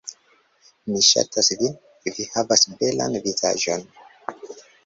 Mi ŝatas vin, vi havas belan vizaĝon.